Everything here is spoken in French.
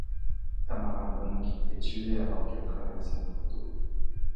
Tamara Bunke est tuée alors qu'elle traverse un cours d'eau.